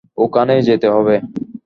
ওখানেই যেতে হবে।